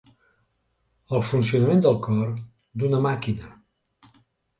El funcionament del cor, d'una màquina.